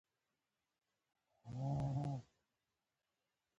خلک غریب دي.